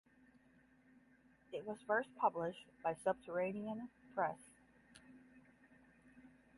It was first published by Subterranean Press.